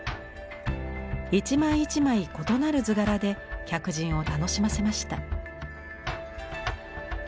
一枚一枚異なる図柄で客人を楽しませました。